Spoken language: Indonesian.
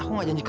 aku kebukti kok